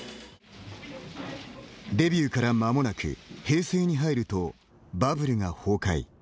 デビューからまもなく平成に入ると、バブルが崩壊。